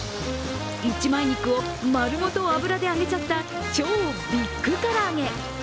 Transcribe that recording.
一枚肉を丸ごと油で揚げちゃった超ビッグ空揚げ。